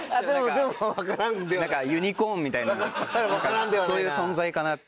ユニコーンみたいな何かそういう存在かな。